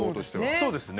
そうですね。